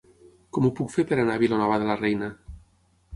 Com ho puc fer per anar a Vilanova de la Reina?